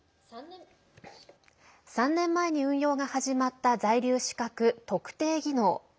３年前に運用が始まった在留資格、特定技能。